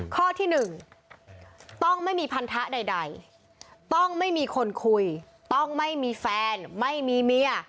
ข้อที่๑ต้องไม่มีพันธะใดต้องไม่มีคนคุยต้องไม่มีแฟนไม่มีเมีย